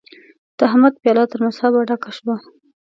د احمد پياله تر مذهبه ډکه شوه.